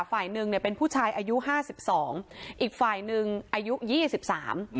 ฝ่ายหนึ่งเนี่ยเป็นผู้ชายอายุห้าสิบสองอีกฝ่ายหนึ่งอายุยี่สิบสาม